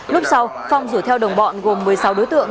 lúc sau phong rủ theo đồng bọn gồm một mươi sáu đối tượng